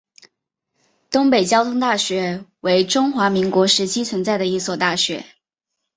东北交通大学为中华民国时期存在的一所大学。